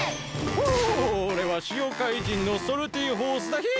ホ！おれはしお怪人のソルティホースだヒン！